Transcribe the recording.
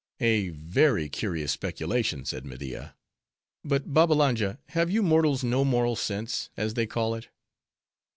"A very curious speculation," said Media. But Babbalanja, have you mortals no moral sense, as they call it?"